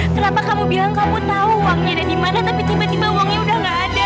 kenapa kamu bilang kamu tahu uangnya ada di mana tapi tiba tiba uangnya udah gak ada